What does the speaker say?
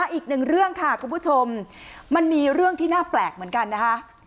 อีกหนึ่งเรื่องค่ะคุณผู้ชมมันมีเรื่องที่น่าแปลกเหมือนกันนะคะ